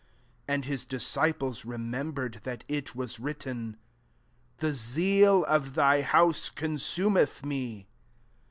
17 And his disciples remembered that it was written, " The zeal of thy house consumeth me."